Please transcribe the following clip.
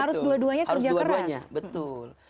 harus dua duanya kerja keras betul